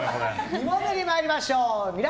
２問目に参りましょう未来